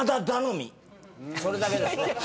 それだけですね。